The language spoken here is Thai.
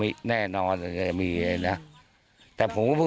มีมีใช้เกี่ยวกับยาเสพติดอะไรไหม